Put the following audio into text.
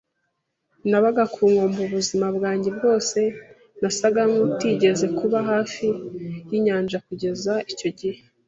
nabaga ku nkombe ubuzima bwanjye bwose, nasaga nkutigeze kuba hafi yinyanja kugeza icyo gihe.